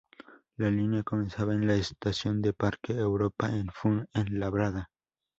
La línea comenzaba en la Estación de Parque Europa, en Fuenlabrada.